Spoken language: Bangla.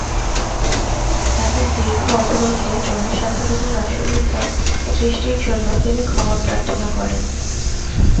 তাঁদের দীর্ঘ অবরোধে জনসাধারণের অসুবিধা সৃষ্টির জন্য তিনি ক্ষমা প্রার্থনা করেন।